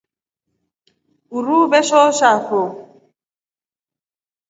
Uruu veshohovafo.